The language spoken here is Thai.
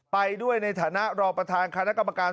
ไปด้วยในฐานะรองประธานคณะกรรมการ